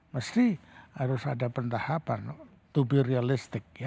mesti harus ada pendahapan to be realistic ya